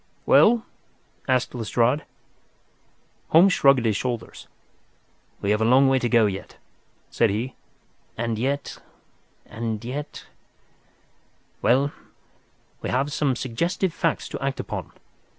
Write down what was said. "Well?" asked Lestrade. Holmes shrugged his shoulders. "We have a long way to go yet," said he. "And yet—and yet—well, we have some suggestive facts to act upon.